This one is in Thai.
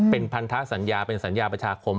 เป็นพันธสัญญาเป็นสัญญาประชาคม